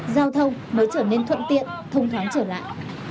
giao thông mới trở nên thuận tiện thông thoáng trở lại